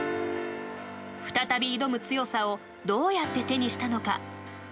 再び挑む強さをどうやって手にしたのか。